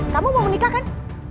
kamu mau menikah kan